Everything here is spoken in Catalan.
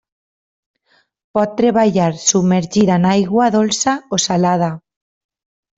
Pot treballar submergida en aigua dolça o salada.